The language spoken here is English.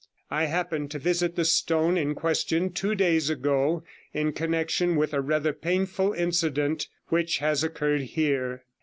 I happened to visit the stone in question two days ago in connection with a rather painful incident which has occurred here.'